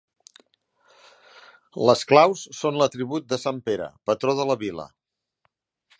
Les claus són l'atribut de sant Pere, patró de la vila.